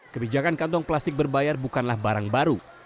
kebijakan kantong plastik berbayar bukanlah barang baru